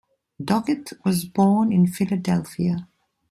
Doggett was born in Philadelphia.